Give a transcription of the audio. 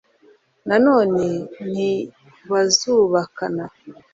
na none ntibazubakana